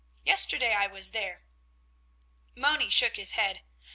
Yesterday I was there." Moni shook his head.